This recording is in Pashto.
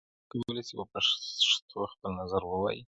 ماشوم کولای سي په پښتو خپل نظر ووايي.